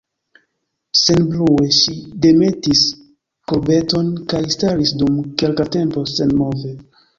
Senbrue ŝi demetis korbeton kaj staris, dum kelka tempo, senmove.